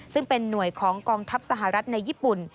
ซึ่งเป็นหน่วยของกองทัพสหรัฐในญี่ปุ่น